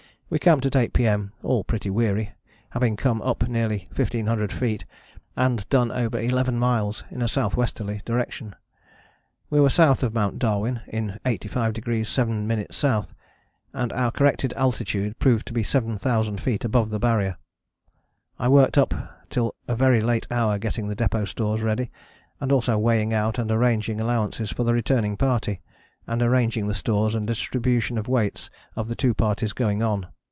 We camped at 8 P.M., all pretty weary, having come up nearly 1500 feet, and done over eleven miles in a S.W. direction. We were south of Mount Darwin in 85° 7´ S., and our corrected altitude proved to be 7000 feet above the Barrier. I worked up till a very late hour getting the depôt stores ready, and also weighing out and arranging allowances for the returning party, and arranging the stores and distribution of weights of the two parties going on.